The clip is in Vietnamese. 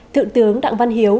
thượng tướng đặng văn hiếu